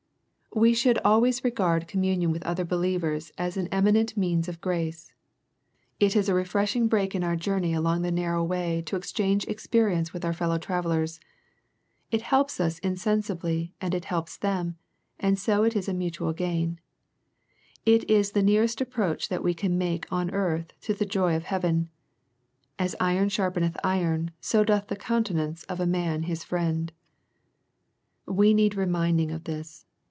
'' We should always regard communion with other be lievers as an eminent means of grace. It is a refreshing break in our journey along the narrow way to exchange experience with our fellow travellers. It helps us in sensibly and it helps them, and so is a mutual gain. It is the nearest approach that we can make on earth to the joy of heaven. " As iron sharpeneth iron, so doth the countenance of a man his friend." We need reminding of this.